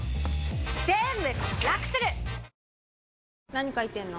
何書いてんの？